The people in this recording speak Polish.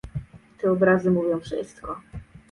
Te obrazy mówią wszystko